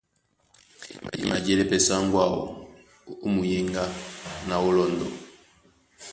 E madíɛlɛ́ pɛ́ sáŋgó áō ó muyéŋgá na ó lɔndɔ.